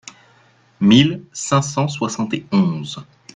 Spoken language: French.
mille cinq cent soixante et onze).